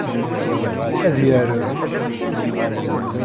Ad yarem.